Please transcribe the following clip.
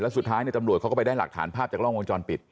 สุดท้ายตำรวจเขาก็ไปได้หลักฐานภาพจากกล้องวงจรปิด